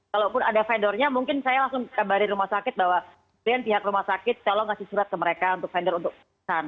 kalaupun ada vendornya mungkin saya langsung kabarin rumah sakit bahwa kemudian pihak rumah sakit tolong kasih surat ke mereka untuk vendor untuk pesan